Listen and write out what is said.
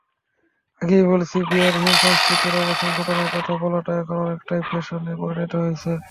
আগেই বলেছি, বিচারহীনতার সংস্কৃতির অবসান ঘটানোর কথা বলাটা এখন অনেকটাই ফ্যাশনে পরিণত হয়েছে।